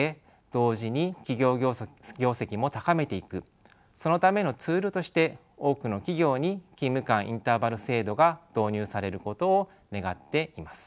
同時に企業業績も高めていくそのためのツールとして多くの企業に勤務間インターバル制度が導入されることを願っています。